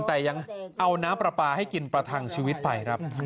แต่ยังเอาน้ำปลาปลาให้กินประทังชีวิตไปครับ